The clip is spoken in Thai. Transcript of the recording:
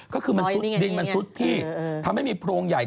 ก็คือมันซุดดินมันซุดพี่ทำให้มีโพรงใหญ่